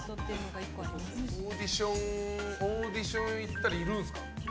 オーディション行ったらいるんですか。